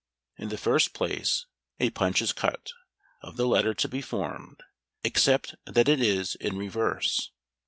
In the first place, a punch is cut, of the letter to be formed, except that it is in reverse.